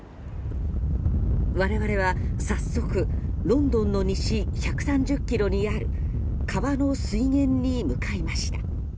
我々は早速ロンドンの西１３０ｋｍにある川の水源に向かいました。